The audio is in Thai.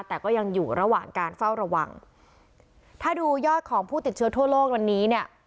แต่ก็ยังอยู่ระหว่างการเฝ้าระวังถ้าดูยอดของผู้ติดเชื้อทั่วโลกวันนี้เนี่ย